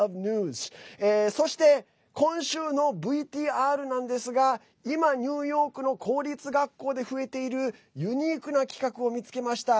Ａｌｏｔｏｆｎｅｗｓ．そして、今週のＶＴＲなんですが今、ニューヨークの公立学校で増えているユニークな企画を見つけました。